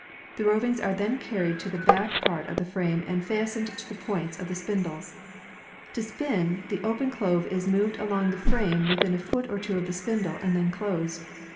The rowings are then carried to the back part of the frame and fastened to the points of the spindles. To spin, the open clove is moved along the frame within a foot or two of the spindles and then closed.